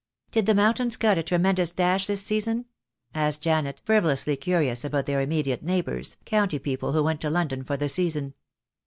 "Did the Mountains cut a tremendous dash this season?" asked Janet, frivolously curious about their im mediate neighbours, county people who went to London for the season.